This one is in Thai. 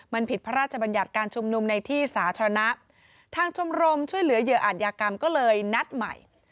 มันผิดพระราชบัญญัติการชุมนุมในที่สาธารณะทางชมรมช่วยเหลือเหยื่ออาจยากรรมก็เลยนัดใหม่